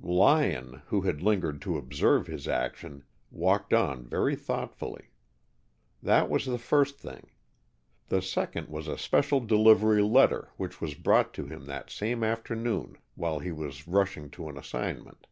Lyon, who had lingered to observe his action, walked on very thoughtfully. That was the first thing. The second was a special delivery letter which was brought to him that same afternoon while he was rushing to an assignment.